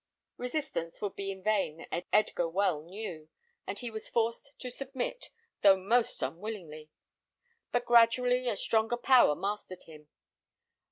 Resistance would be in vain Edgar well knew, and he was forced to submit, though most unwillingly; but gradually a stronger power mastered him.